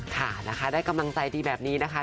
ค่ะนะคะได้กำลังใจดีแบบนี้นะคะ